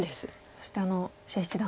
そして謝七段。